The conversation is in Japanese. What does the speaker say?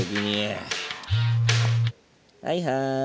はいはい。